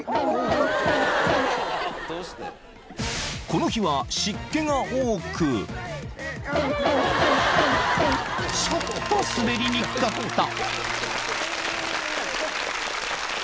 ［この日は湿気が多くちょっと滑りにくかった］